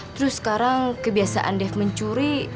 terus sekarang kebiasaan dev mencuri